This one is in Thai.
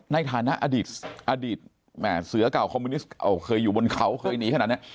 ในฐานะอดีตอดีตเสือเก่าคอมมิวนิสต์เคยอยู่บนเขาเคยหนีขนาดนี้